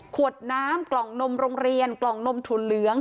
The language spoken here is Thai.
ขวดน้ำกล่องนมโรงเรียนกล่องนมถุนเหลือง